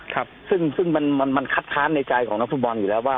ครับซึ่งมันคัดค้านในใจของนักฟุตบอลอยู่แล้วว่า